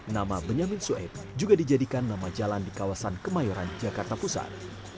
nama benyamin sueb juga dijadikan nama jalan di kawasan kemayoran jakarta pusat